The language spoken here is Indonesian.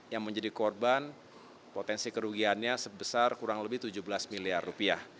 yang menjadi korban potensi kerugiannya sebesar kurang lebih tujuh belas miliar rupiah